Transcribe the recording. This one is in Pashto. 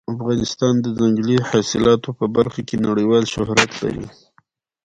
افغانستان د ځنګلي حاصلاتو په برخه کې نړیوال شهرت لري.